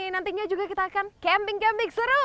nantinya juga kita akan camping camping seru